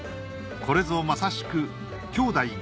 これぞまさしく兄弟